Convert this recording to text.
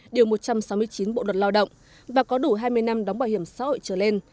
điều một trăm sáu mươi chín bộ luật lao động và có đủ hai mươi năm đóng bảo hiểm xã hội trở lên